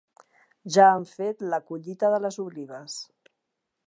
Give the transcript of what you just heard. Ja han fet la collita de les olives.